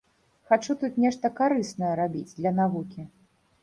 Хачу тут нешта карыснае рабіць для навукі.